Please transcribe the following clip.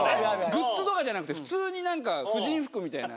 グッズとかじゃなくて普通に何か婦人服みたいな。